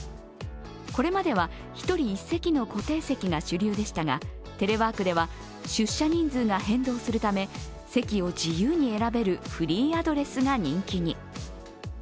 これまでは１人１席の固定席が主流でしたがテレワークでは出社人数が変動するため、席を自由に選べる、フリーアドレスが人気に。